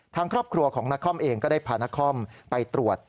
ทางครอบครัวของนครเองก็ได้พานักคอมไปตรวจ